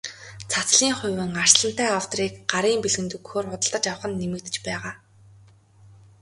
Цацлын хувин, арслантай авдрыг гарын бэлгэнд өгөхөөр худалдаж авах нь нэмэгдэж байгаа.